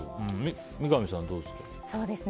三上さん、どうですか。